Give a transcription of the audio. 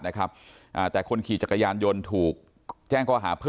นะครับอ่าแต่คนขี่จักรยานยนต์ถูกแจ้งข้อหาเพิ่ม